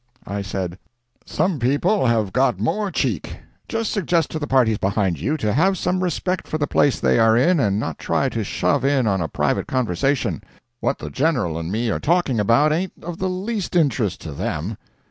I said:— "Some people have got more cheek. Just suggest to the parties behind you to have some respect for the place they are in and not try to shove in on a private conversation. What the General and me are talking about ain't of the least interest to them."